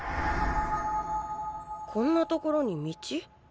こんな所に道？